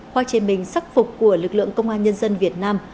hoa chế minh sắc phục của lực lượng công an nhân dân việt nam